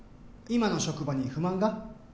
今の職場に不満が？